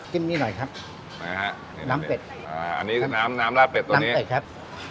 จิ้มนี่หน่อยครับน้ำเป็ดอันนี้น้ำลาดเป็ดตัวนี้น้ำเป็ดครับ